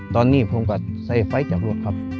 ตอนนี้ผมก็ใส่ไฟจากรวกครับ